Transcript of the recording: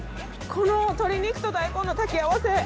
この鶏肉と大根の炊き合わせ